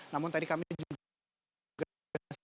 namun tadi kami juga